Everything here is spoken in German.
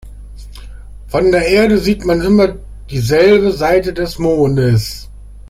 Von der Erde sieht man immer dieselbe Seite des Mondes.